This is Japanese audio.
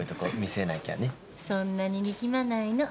そんなに力まないの。